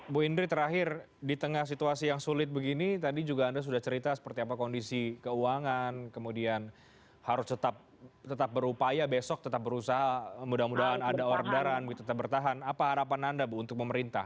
bu indri terakhir di tengah situasi yang sulit begini tadi juga anda sudah cerita seperti apa kondisi keuangan kemudian harus tetap berupaya besok tetap berusaha mudah mudahan ada orderan tetap bertahan apa harapan anda bu untuk pemerintah